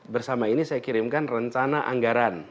bersama ini saya kirimkan rencana anggaran